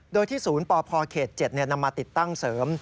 โดยที่ศูนย์ปพเขต๗นำมาติดตั้งเสริม